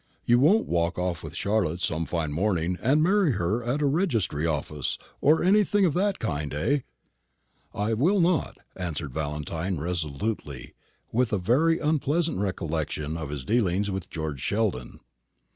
You won't walk off with Charlotte some fine morning and marry her at a registry office, or anything of that kind, eh?" "I will not," answered Valentine resolutely, with a very unpleasant recollection of his dealings with George Sheldon.